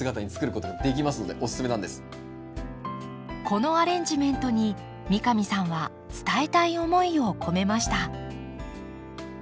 このアレンジメントに三上さんは伝えたい思いを込めました。